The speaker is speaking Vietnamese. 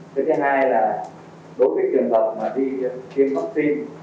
thứ hai là đối với trường hợp mà đi kiếm vaccine